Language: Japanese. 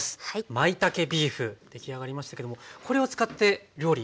まいたけビーフ出来上がりましたけどもこれを使って料理